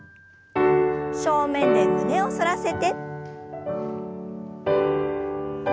正面で胸を反らせて。